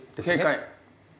正解。